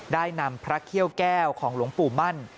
ได้นำพระเขี้ยวแก้วของหลวงปู่มั่น